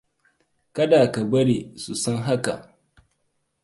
Kada ka bari su san haka.